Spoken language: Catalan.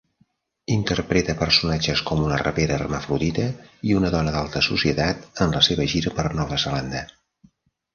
Interpreta personatges com una rapera hermafrodita i una dona de l'alta societat en la seva gira per Nova Zelanda.